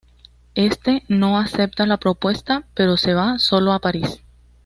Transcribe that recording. Éste no acepta la propuesta pero se va solo a París.